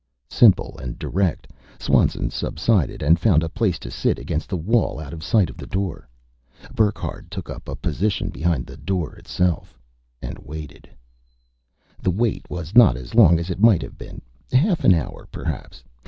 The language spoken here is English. Simple and direct. Swanson subsided and found a place to sit, against the wall, out of sight of the door. Burckhardt took up a position behind the door itself And waited. The wait was not as long as it might have been. Half an hour, perhaps.